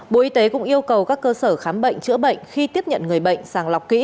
bộ y tế cũng yêu cầu các cơ sở khám bệnh chữa bệnh khi tiếp nhận người bệnh sàng lọc kỹ